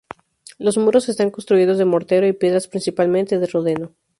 Los muros están construidos de mortero y piedras principalmente de rodeno.